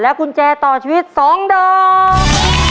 และกุญแจต่อชีวิต๒เดิม